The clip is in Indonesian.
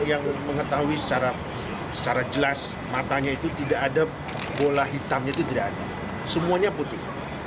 saya orang yang tahu secara jelas matanya itu tidak ada bola hitamnya itu tidak ada semuanya putih